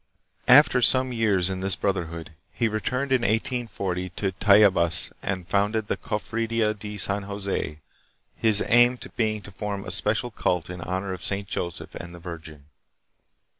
After some years in this brotherhood, he returned in 1840 to Tayabas and founded the Cofradia de San Jose, his aim being to form a special cult in honor of Saint Joseph and the Virgin.